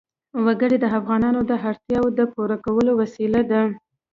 وګړي د افغانانو د اړتیاوو د پوره کولو وسیله ده.